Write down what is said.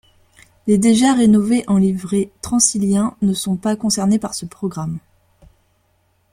Les déjà rénovées en livrée Transilien ne sont pas concernées par ce programme.